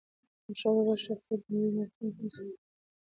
د احمد شاه بابا شخصیت د نړی مورخین هم ستایي.